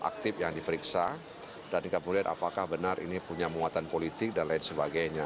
apakah benar ini punya muatan politik dan lain sebagainya